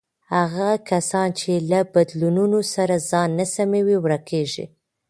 هغه کسان چې له بدلونونو سره ځان نه سموي، ورکېږي.